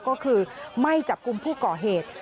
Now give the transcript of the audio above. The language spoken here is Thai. ก็คือไม่จับกลุ่มผู้ก่อเหตุ